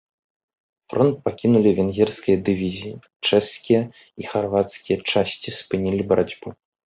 Фронт пакінулі венгерскія дывізіі, чэшскія і харвацкія часці спынілі барацьбу.